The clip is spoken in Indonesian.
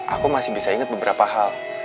aku masih bisa ingat beberapa hal